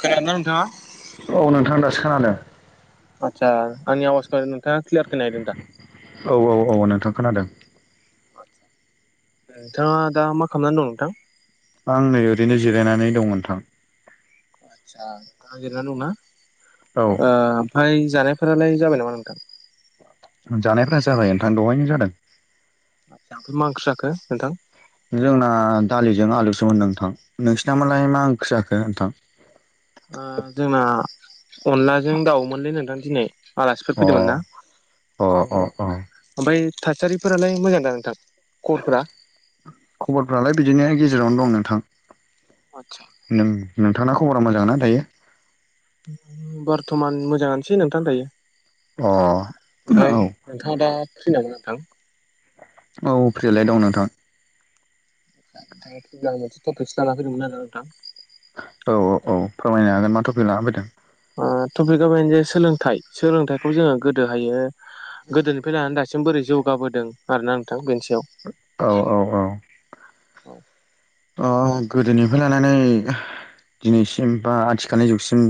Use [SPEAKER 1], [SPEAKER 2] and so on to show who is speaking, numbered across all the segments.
[SPEAKER 1] खोनादों ना नोंथाङा?
[SPEAKER 2] औ नोंथां दासो खोनादों।
[SPEAKER 1] आदसा आंनि आवासखौ नोंथाङा क्लियार खोना हैदों दा?
[SPEAKER 2] औ औ औ नोंथां खोनादों।
[SPEAKER 1] नोंथाङा दा मा खालामनानै दं नोंथां
[SPEAKER 2] आं नै ओरैनो जिरायनानै दंओनथां।
[SPEAKER 1] आदसा नोंथांङा जिरायनानै
[SPEAKER 2] औ
[SPEAKER 1] दंना ओ ओमफ्राय जानायफोरालाय जाबाय नामा नोंथां?
[SPEAKER 2] जानायफोरा जाबाय नोंथां दहायनो जादों।
[SPEAKER 1] दाथ मा ओंख्रि जाखो नोंथां?
[SPEAKER 2] जोंना दालिजों आलुसोमोन नोंथां। नोंसिनामालाय मा ओंख्रि जाखो नोंथां?
[SPEAKER 1] ओ जोंना अनलाजों दाउमोनलै नोंथां दिनै आलासिफोर
[SPEAKER 2] अ
[SPEAKER 1] फैदोंमोन ना।
[SPEAKER 2] अ अ अ
[SPEAKER 1] ओमफ्राय थासारिफोरालाय मोजांदा नोंथां खबरफोरा?
[SPEAKER 2] खबरफ्रालाय बिदिनो गेजेरावनो दं नोंथां।
[SPEAKER 1] आतसा।
[SPEAKER 2] नों नोंथांना खबरा मोजां ना दायो?
[SPEAKER 1] बर्थमान मोजाङानोसै नोंथां दायो।
[SPEAKER 2] अ
[SPEAKER 1] ओमफ्राय
[SPEAKER 2] औ
[SPEAKER 1] नोंथाङा दा फ्रि नामा नोंथां?
[SPEAKER 2] औ फ्रिआलाय दं नोंथां।
[SPEAKER 1] आं मोनसेटपिकसो लाना फैदोंमोन आरो नोंथां
[SPEAKER 2] औ औ औ फोरमायनो हागोन माथ'फि लाना फैदों।
[SPEAKER 1] आं टपिकआ बेनो जे सोलोंथाइ सोलोंथाइखौ जोङो गोदोहायो गोदोनिफ्राय लानानै दा दासिम बोरै जौगाबोदों आरोना नोंथां बेनि सायाव।
[SPEAKER 2] औ औ। औ औ।
[SPEAKER 1] औ
[SPEAKER 2] ओं गोदोनिफ्राय लानानै दिनैसिम बा आथिखालनि जुगसिम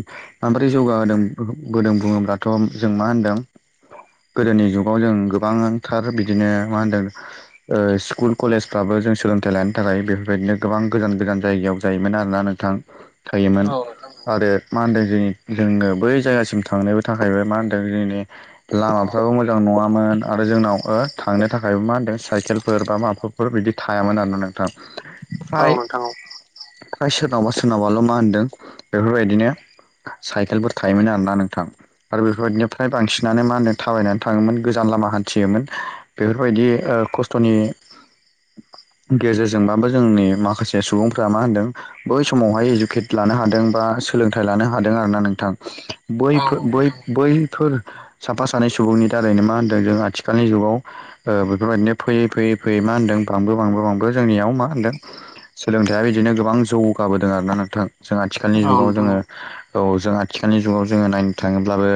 [SPEAKER 2] माब्रै जौगाहोदोंबोदों बुङोब्लाथ' जों मा होनदों गोदोनि जुगाव जों गोबांथार बिदिनो मा होनदों ओ स्कुल कलेजफ्राबो जों सोलोंथाइ लानो थाखाय बेफोरबायदिनो गोबां गोजान गोजान जायगायाव जायोमोन आरोना नोंथां थायोमोन
[SPEAKER 1] नोंथां
[SPEAKER 2] आरो मा होनदों जोंनि जोंनो बै जायगासिम थांनोबो थाखायबो मा होनदों जोंनि लामाफ्राबो मोजां नङामोन आरो जोंनाव थांनो थाखायबो मा होनदों साइकेलफोर बा माफाफोर बिदि थायामोन आरोना नोंथां।
[SPEAKER 1] औ
[SPEAKER 2] फ्राय
[SPEAKER 1] नोंथां औ
[SPEAKER 2] फ्राय सोरनावबा सोरनावबाल' मा होनदों बेफोरबायदिनो साइकेलफोर थायोमोन आरोना नोंथां। आरो बेफोरबायाददिनो फ्राय बांसिनानो मा होनो थाबायनानै थाङोमोन गोजान लामा हान्थियोमोन। बेफोरबायदि ओ खस्थ'नि गेजेरजोंबाबो जोंनि माखासे सुबुंफोरा मा होनदों बै समावहाय इडुकेट लानो हादों बा सोलोंथाइ लानो हादों आरोना नोंथां।
[SPEAKER 1] औ
[SPEAKER 2] बैफो बै
[SPEAKER 1] नोंथां
[SPEAKER 2] बैफोर साफा सानै सुबुंनि दारैनो मा होनदों जों आथिखालनि जुगाव ओ बेफोरबायदिनो फैयै फैयै फैयै मा होनदों बांबो बांबो बांबो जोंनियाव मा सदों सोलोंथाइया बिदिनो गोबां जौगाबोदों आरोना नोंथां। जों आथिखालनि
[SPEAKER 1] औ
[SPEAKER 2] जुगाव
[SPEAKER 1] नोंथां
[SPEAKER 2] जोङो औ जों आथिखालनि जुगाव जोङो नायनो थाङोब्लाबो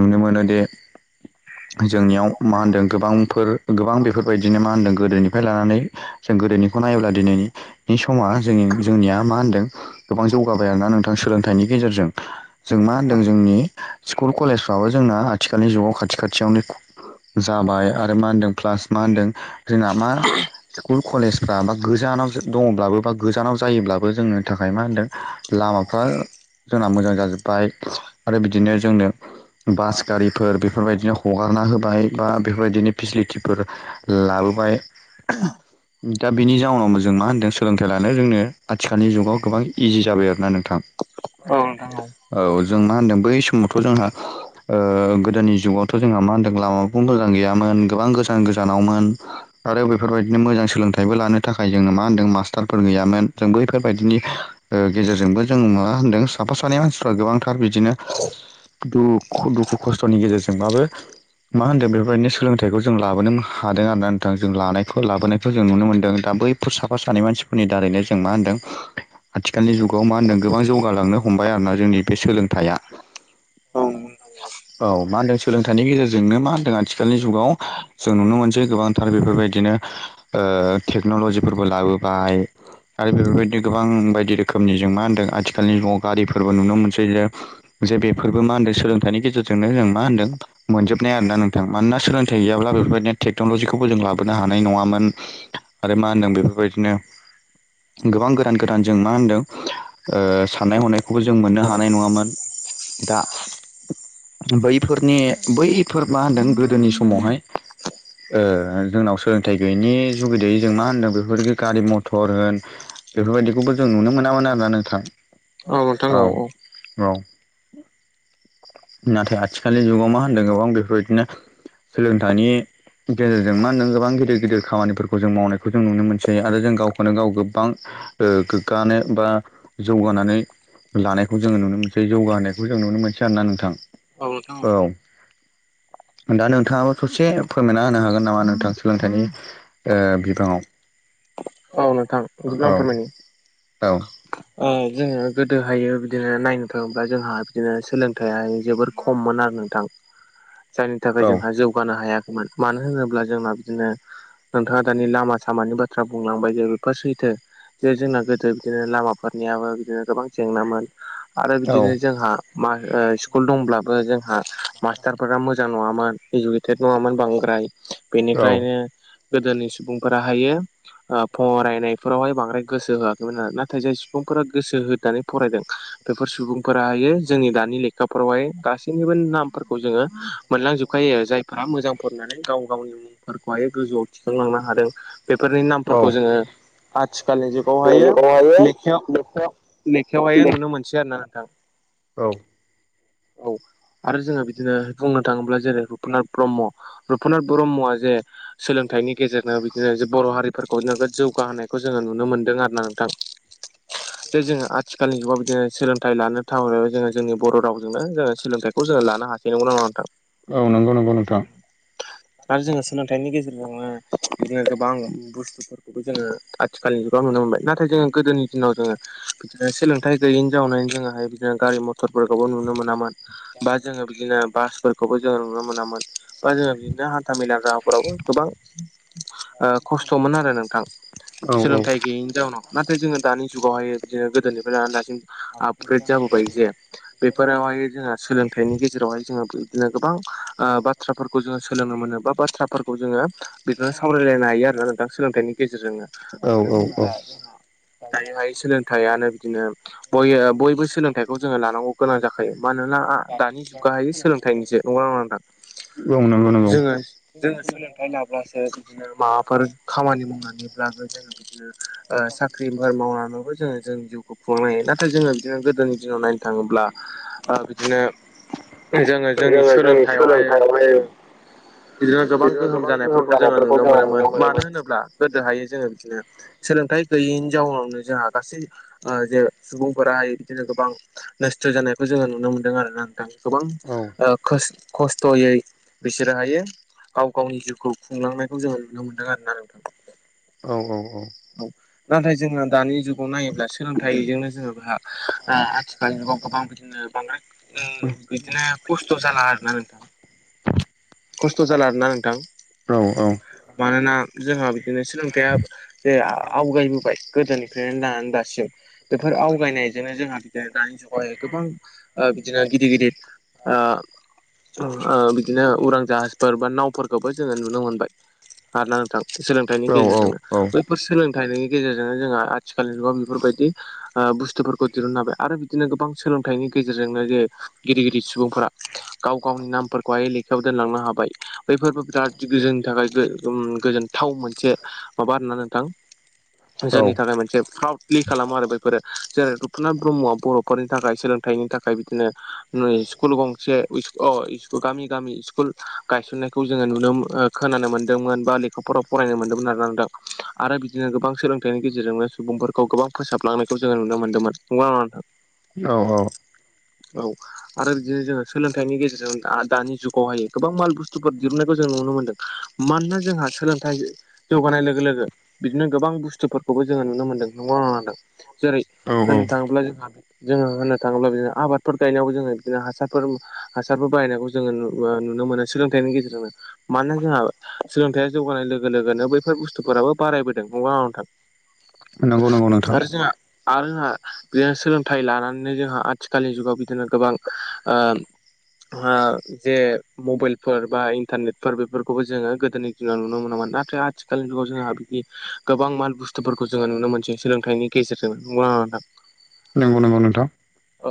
[SPEAKER 2] नुनो मोनोदि जोंनियाव मा होनदों गोबांफोर गोबां बेफोरबायदिनो मा होनदों गोदोनिफ्राय लानानै जों गोदोनिखौ नायोब्ला दिनैनि समा जों जोंनिया मा होनदों गोबां जौगाबाय आरोना नोंथां सोलोंथाइनि गेजेरजों। जों मा होनदों जोंनि स्कुल कलेजफ्राबो जोंना आथिखालनि जुगाव खाथि खाथियावनो जाबाय आरो मा होनदों प्लास मा होनदों जोंना मा स्कुल कलेज बा गोजानाव दङब्लाबो बा गोजानाव जायोब्लाबो जोंनि थाखाय मा होनदों लामाफ्रा जोंना मोजां जाजोब्बाय आरो बिदिनो जोंनो बास गारिफोर बेफोरबायदिनो हगारना होबाय बा बेफोरबायदिनो फेसिलिटिफोर लाबोबाय। दा बिनि जाउनाव जों मा होनदों सोलोंथाइ लानो जोंनो आथिखालनि जुगाव गोबां इजि जाबाय आरोना नोंथां।
[SPEAKER 1] औ नोंथां
[SPEAKER 2] औ जों मा होनदों बै समावथ' जोंहा गोदोनि जुगावथ' जोंहा मा होनदों लामा मोजां गैयामोन गोबां गोजान गोजानावमोन, आरो बेफोरबायदिनो मोजां सोलोंथाइ बो लानो थाखाय जोङो मा होनदों मास्टारफोर गैयामोन। जों बैफोरबायदिनि ओ गेजेरजोंबो जों मा होनदों साफा सानै मानसिफ्रा गोबांथार बिदिनो दुखु, दुखु खस्थ'नि गेजेरजोंबाबो मा होन्दों बेफोरबायदिनो सोलोंथाइखौ जों लाबोनो हादों आरोना नोंथां, जों लानायखौ लाबोनायखौ जों नुनो मोन्दों दा बैफोर साफा सानै मानसिफोरनि दारैनो जों मा होनदों आथिखालनि जुगाव मा होनदों गोबां जौगालांनो हमबाय आरोोना जोंनि बे सोलोंथाइया।
[SPEAKER 1] औ नंगौ नोंथां नंगौ।
[SPEAKER 2] औ मा होनदों सोलोंथाइनि गेजेरजोंनो मा होनदों आथिखालनि जुगाव जों नुनो मोनसै गोबां आरो बेफोरबायदिनो ओ टेक्नलजिफोरबो लाबोबाय आरो बेफोरबायदि गोबां बायदि रोखोमनि जों मा होनदों आथिखालनि जुगाव गारिफोरबो नुनो मोनसै जों। जे बेफोरबो मा होन्दों सोलोंथाइनि गेजेरजोंनो जों मा होन्दों मोनजोबनाय आरोना नोंथां। मानोना सोलोंथाइ गैयाब्ला बेफोरबायदिनो टेक्नोलजीखौबो जों लाबोनो हानाय नङामोन। आरो मा होनदों बेफोरबायदिनो गोबां गोदान गोदान जों मा होनदों ओ साननाय हनायखौबो जों मोननो हानाय नङामोन। दा बैफोरनि बैफोर मा होनदों गोदोनि समावहाय ओ जोंनाव सोलोंथाइ गैयैनि जुगिदियै जों मा होन्दों बेफोरबादिखै गारि मटर होन बेफोरबायदिखौबो जों नुनो मोनामोन आरोना नोंथां,
[SPEAKER 1] नोंथां औ
[SPEAKER 2] औ। नाथाय आथिखालनि जुगाव मा होनदों गोबां बेफोरबायदिनो सोलोंथाइनि गेजेरजों मा होनदों गोबां गिदिर गिदिर खामानिफोरखौ जों मावनायखौ जों नुनो मोनसै आरो जों गावखौनो गाव गोबां ओ गोग्गानो बा जौगानानै लानायखौ जोङो नुनो मोनसै जौगाहोनायखौ जों नुनो मोनसै आरोना नोंथां औ। दा नोंथाङाबो ससे फोरमायना होनो हागोन नामा नोंथां सोलोंथाइनि ओ बिबाङाव
[SPEAKER 1] औ नोंथां।
[SPEAKER 2] औ औ।
[SPEAKER 1] आ जोङो गोदोहायो बिदिनो नायनो थाङोब्ला जोंहा बिदिनो सोलोंथाइआ जोबोर खममोन आरो नोंथां जायनि थाखाय जोंहा जौ गानो हायाखैमोन। मानो होनोब्ला जोंहा बिदिनो नोंथाङा दानि लामा सामानि बाथ्रा बुंलांबाय जे [inaudible] सैथो जे जोंना गोदो बिदिनो लामाफोरनियाबो बिदिनो गोबां जेंनामोन आरो
[SPEAKER 2] औ
[SPEAKER 1] बिदिनो जोंहा मा ओ स्कुल दंब्लाबो जोंहा मास्टारफोरा मोजां नङामोन, इजुके टेट नङामोन बांद्राय।
[SPEAKER 2] औ
[SPEAKER 1] बेनिखायनो गोदोनि सुबुंफोराहायो ओ फरायनायफोरावहाय बांद्राय गोसो होआखैमोन आरो, नाथाय जाय सुबुंफोरा गोसो होनानै फरायदों। बेफोर सुबुंफोराहायो जोंनि दानि लेखाफोरावहाय गासैनिबो नाम फोरखौ जोङो मोनलांजोबखायो आरो जाय फ्रा मोजां फरायनानै गाव गावनि मुंफोरखौहाय गोजौआव थिखांलांनो हादों बेफोरनि नाम
[SPEAKER 2] औ
[SPEAKER 1] खौ जोङो आथिखालनि जुगावहायो
[SPEAKER 2] बेवहायो
[SPEAKER 1] लेखायाव
[SPEAKER 2] बेखौ
[SPEAKER 1] लेखायावहायो नुनो मोनसै आरोना नोंथां।
[SPEAKER 2] औ।
[SPEAKER 1] औ। आरो जोङो बिदिनो बुंनो थाङोब्ला जेरै रुपनाथ ब्रह्म, रुपनाथ ब्रह्मआ जे सोलोंथाइनि गेजेरनो बिदिनो जे बर' हारिफोर [unintelligible] नोगोद जौगाहोनायखौ जोङो नुनो मोनदों आरो ना नोंथां। जे जोङो आथिखालनि जुगाव बिदिनो सोलोंथाइ लानो [unintelligible] जोङो जोंनि बर' रावजोंनो जोङो सोलोंथाइ खौ जों लानो हासै नंगौना नङा नोंथां?
[SPEAKER 2] औ नोंगौ नोंगौ नोंथां
[SPEAKER 1] दा जोङो सोलोंथाइनि गेजेरजोंनो बिदिनो गोबां बुस फोरखौबो जोङो आथिखालनि जुगाव नुनो मोनबाय। नाथाय जोङो गोदोनि दिनाव जोङो बिदिनो सोलोंथाइ गैयैनि जाउनाय जोङोहाय बिदिनो गारि मथरफोरखौबो नुनो मोनामोन बा जोङो बिदिनो बासफोरखौबो जोङो नुनो मोनामोन, बा जोङो बिदिनो हान्था मेला राहाफोरावबो गोबां ओ खस्थ'मोन आरो नोंथां
[SPEAKER 2] औ
[SPEAKER 1] सोलोंथाइ गोयैनि जाउनाव, नाथाय जोङो दानि जुगावहायो बिदिनो गोदोनिफ्राय लानानै दासिम आपग्रेद जाबोबाय जे बेफोरावहायो जोंहा सोलों थाइनि गेजेरावहाय जोङो बैदिनो गोबां आ बाथ्राफोरखौ जोङो सोलोंनो मोनो बा बाथ्राफोर खौ जोङो बिदिनो सावरायलायनो हायो आरोना नोंथां सोलोंथाइनि गेजेरजोंनो।
[SPEAKER 2] औ
[SPEAKER 1] मानो
[SPEAKER 2] औ औ
[SPEAKER 1] होनोब्ला जोंहा दायोहाय सोलोंथाइयानो बिदिनो बयो बयबो सोलोंथाइखौ जोङो लानांगौ गोनां जाखायो मानोना आ दानि जुगाहायो सोलोंथाइनिसो नङा नङा नोंथां
[SPEAKER 2] औ नंगौ नंगौ
[SPEAKER 1] जोङो जोङो सोलों फाय लाब्लासो बिदिनो माबाफोर खामानि मावनानैब्लाबो जों [unintelligible] ओ साख्रि बार मावनानैबो जोङो जों जिउखौ खुंनो हायो नाथाय जोङो बिदिनो गोदोनि दिनाव नाय थाङोब्ला आ बिदिनो बे जोङो जोंनि सोलोंथाइयावहाय बिदिनो गोबां गोहोम जानायफोरखौ जोङो नुनो मोनोमोन मानो होनोब्ला गोदोहायो जोङो बिदिनो सोलोंथाइ गैयैनि जाउनावनो जोंहा गासै ओ जे सुबुंफोराहाय बिदिनो गोबां नोस्थो जानायखौ जोङो नुनो मोनदों आरोना नोंथां गोबां ओ खोस खस्थ'यै बिसोरो हायो गाव गावनि जिउखौ खुंलांनायखौ जोङो नुनो मोन्दों आरोना नोंथां
[SPEAKER 2] औ औ औ
[SPEAKER 1] औ नाथाय जोङो दानि जुगाव नायो ब्ला सोलोंथाइजोंनो जोङो बोहा आ आथिखाल जुगाव गोबां बिदिनो अने ओ बिदिनो खस्थ' जाला आरो ना नोंथां खस्थ' जाला आरोना नोंथां
[SPEAKER 2] औ औ
[SPEAKER 1] [inaudible] मानोना जोंहा बिदिनो सोलोंथाइया जे आ आवगायबोबाय गोदोनिफ्रेन [unintelligible] दासिम बेफोर आवगायनायजोंनो जोंहा [unintelligible] दानि जुगावाय गोबां ओ बिदिनो गिदिर गिदिर आ [unintelligible] बिदिनो उरां जाहाजफोर बा नावफोरखौबो जोङो नुनो मोनबाय आरना नोंथां सोलोंथाइनि
[SPEAKER 2] औ
[SPEAKER 1] गेजेरजोंनो
[SPEAKER 2] औ
[SPEAKER 1] बैफोर सोलोंथाइनि गेजेरजोंनो जोंहा आथिखालनि जुगाव बिफोरबायदि आ बुस्थुफोरखौ दिरुन नाबे आरो बिदिनो गोबां सोलोंथाइनि गेजेरजोंनो जे गिदिर गिदिर सुबुंफोरा गाव गावनि नामफोरखौहाय लेखायाव दोनलांनो हाबाय बैफोरबो बिराद गोजोन थाखायबो ओम गोजोनथाव मोनसे माबा आरो ना नो थां जोंनि थाखाय मोनसे प्राउड प्ले खालामो आरो बैफोरो जेरै रुपनाथ ब्रह्मआ बर'फोरनि थाखाय सोलोंथाइनि थाखाय बिदिनो नै स्कुल गंसे इस अ इसक' गामि गामि स्कुल गायसननायखौ जोङो नुनो मो ओ खोनानो मोनदोंमोन बा लेखा फराव फरायनो मोन्दोंमोन आरो ना नोंथां आरो बिदिनो गोबां सोलों थाइनि गेजेरजोंनो सुबुंफोरखौ गोबां फोसाबलांनायखौ जोङो नुनो मोनदोंमोन नंग ना नङा नोंथां
[SPEAKER 2] औ औ
[SPEAKER 1] औ आरो [unintelligible] जोङो सोलोंथाइनि गेजेरजों आ दानि जुगावहायो गोबां माल बुस्थुफोर दिरुन्नायखौ जों नुनो मोनदों मानोना जोंहा सोलोंथाइ जौगानाय लोगो लोगो बिदिनो गोबां बुस्थुफोरखौबो जोङो नुनो मोनदों नंगौना नङा नोंथां। जेरै
[SPEAKER 2] औ औ
[SPEAKER 1] होननो थाङोब्ला जोंहा जोङो होननो थाङोब्ला बिदिनो आबादफोर गायनायावबो जोङो बिदिनो हासारफोर हासारफोर बायनायखौ जोङोु नुनो मोनो। सोलोंथाइनि गेजेरजोंनो मानोना जोंहा सोलोंथाइया जौगानाय लोगो लोगोनो बै बेफोर बुस्थुफोराबो बारायबोदों नंगौ ना नङा
[SPEAKER 2] नंगौ नंगौ
[SPEAKER 1] नोंथां।
[SPEAKER 2] नोंथां
[SPEAKER 1] आरो जोंहा आरो जोंहा बिदिनो सोलोंथाइ लानानैनो जोंहा आथिखालनि जुगाव बिदिनो गोबां ओ जे मबाइलफोर, बा इन्टारनेटफोर बेफोरखौबो जोङो गोदोनि दिनाव नुनो मोनामोन। नाथाय आथिखालनि जुगाव जोंहा गोबां माल बुस्थुफोरखौ जोङो नुनो मोनसै सोलोंथाइनि गेजेरजों नंगौ ना नङा नोंथां।
[SPEAKER 2] नंगौ नंगौ नोंथां।
[SPEAKER 1] औ ओ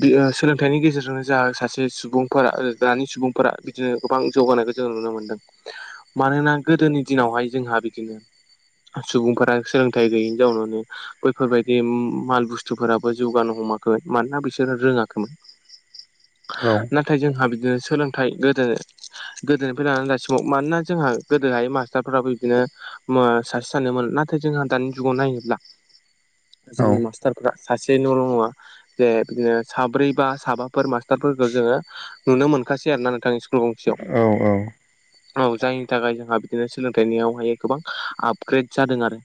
[SPEAKER 1] बेयो सोलों थाइनि गेजेरजोंनो जाहा सासे सुबुंफोरा आरो दानि सुबुंफोरा बिदिनो गोबां जौगानायखौ जोङो नुनो मोनदों। [unintelligible] मानोना गोदोनि दिनावहाय जोंहा बिदिनो सुबुंफोरा सोलोंथाइ गैयिनि जाउनावनो बैफोरबायदि माल बुस्थुफोराबो जौगानो हमाखै। मानोना बिसोरो रोङाखैमोन।
[SPEAKER 2] औ
[SPEAKER 1] नाथाय जोंहा बिदिनो सोलोंथाइ गोदो गोदोनिफ्राय लानानै दासिमाव मानोना जोंहा गोदोहाय माखासे फोराबो बिदिनो सासे सानोमोन नाथाय जोंहा दानि जुगाव नायोब्ला
[SPEAKER 2] औ
[SPEAKER 1] जोंनि
[SPEAKER 2] औ
[SPEAKER 1] मास्टारफ्रा सासे न'ल' नङा जे बिदिनो साब्रै बा साबा फोर मास्टारफोरखौ जोङो नुनो मोनखासै आरोना नोंथां स्कुल गंसेयाव।
[SPEAKER 2] औ औ
[SPEAKER 1] औ जायनि थाखाय जोंहा बिदिनो सोलोंथाइनियावहाय गोबां आपग्रेड जादों आरो।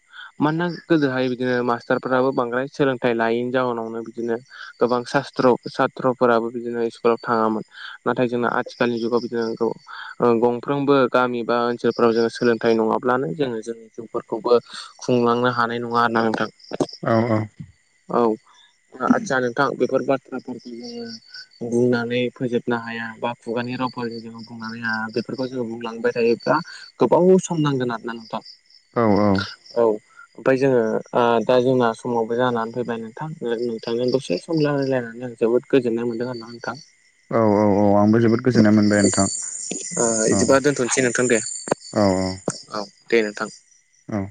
[SPEAKER 1] मानोना गोदोहाय बिदिनो मास्टारफोराबो बांद्राय सोलोंथाइ लायैनि जााहनावनो बिदिनो गोबां सास्त्र सात्र'फोराबो बिदिनो स्कुलाव थाङामोन। नाथाय जोंना आथिखालनि जुगाव बिदिनो गंफ्रोमबो गामि बा ओनसोलफ्राव जोङो सोलोंथाइ नङाब्लानो जोङो जोंनि जिउफोरखौबो खुंलांनो हानाय नङा आरोना नोंथां।
[SPEAKER 2] औ औ।
[SPEAKER 1] औ आदसा नोंथां बेफोर बाथ्राफोरखौ बुंनानै फोजोबनो हाया बा खुगानि रावफोरजों जोङो बुंनानै बेफोरखौ जोङो बुंलांबाय थायो। दा गोबाव सम नांगोन आरो ना नोंथां
[SPEAKER 2] औ
[SPEAKER 1] औ। ओमफाय जोङो आ दा जोंना समावबो जानानै फैबाय नोंथां। ओ नोंथांजों ओ दसे सम लारायलायनानै आं जोबोद गोजोननाय मोनदों आरोना नोंथां।
[SPEAKER 2] औ औ औ आंबो जोबोद गोजोननाय मोनबाय नोंथां औ।
[SPEAKER 1] थों दे
[SPEAKER 2] औ औ
[SPEAKER 1] औ दे नोंथां।
[SPEAKER 2] औ।